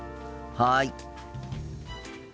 はい。